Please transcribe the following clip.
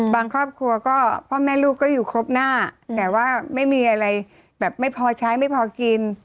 ครอบครัวก็พ่อแม่ลูกก็อยู่ครบหน้าแต่ว่าไม่มีอะไรแบบไม่พอใช้ไม่พอกิน